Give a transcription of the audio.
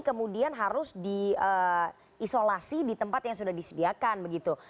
kemudian harus diisolasi di tempat yang sudah disediakan begitu